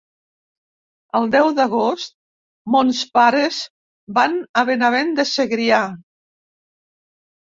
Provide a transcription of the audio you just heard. El deu d'agost mons pares van a Benavent de Segrià.